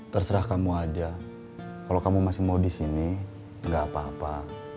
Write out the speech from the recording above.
terserah kamu aja kalo kamu masih mau disini gak apa apa